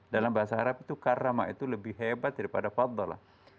dalam bahasa arab itu karamah itu lebih hebat daripada fatbal lah